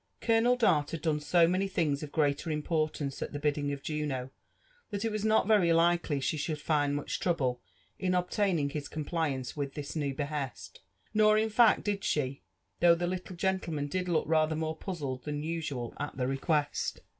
Colonel Dart had done so many things of greater importance at the bidding of Juno, that it was not very likely she should find much trouble in obt^ning his compliance with this new behest ; nor, in fact did she, though the liltle gentleman did look rather more puzzled than usual at the request.